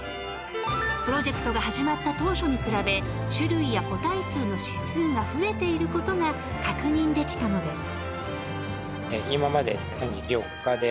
［プロジェクトが始まった当初に比べ種類や個体数の指数が増えていることが確認できたのです］